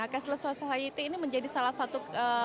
cashless society ini menjadi salah satu